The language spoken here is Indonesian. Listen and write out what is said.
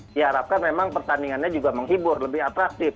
diharapkan memang pertandingannya juga menghibur lebih atraktif